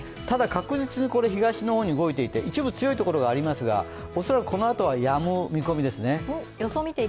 ただ、確実に東の方に動いていて一部強い所がありますが恐らくこのあとはやむ見込みですね。